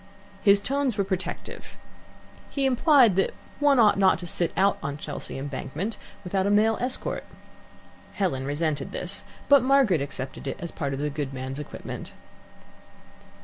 His tones were protective. He implied that one ought not to sit out on Chelsea Embankment without a male escort. Helen resented this, but Margaret accepted it as part of the good man's equipment.